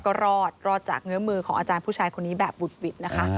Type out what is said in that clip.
ก็รอดรอดจากเงื้อมือของอาจารย์ผู้ชายคนนี้แบบบุดหวิดนะคะ